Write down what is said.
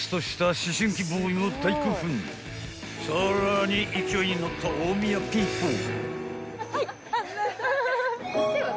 ［さらに勢いに乗った大宮ピーポー］